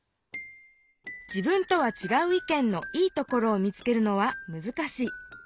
自分とはちがう意見の「いいところ」を見つけるのは難しい。